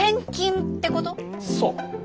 そう。